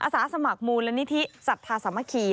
อาสาสมัครมูลณิธิศรัทธาสมคี